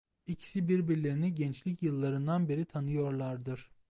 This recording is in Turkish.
İkisi birbirlerini gençlik yıllarından beri tanıyorlardır.